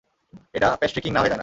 এটা, pastry king না হয়ে যায় না।